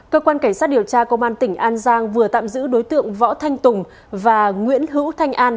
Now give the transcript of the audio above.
cơ quan cảnh sát điều tra công an tỉnh an giang vừa tạm giữ đối tượng võ thanh tùng và nguyễn hữu thanh an